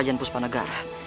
untuk mencari puspanegara